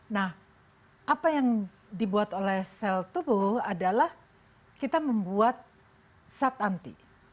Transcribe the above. nah apa yang dibuat oleh sel tubuh adalah kita membuat zat anti